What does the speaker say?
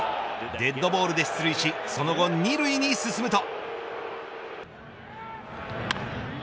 デッドボールで出塁し、その後２塁に進むと。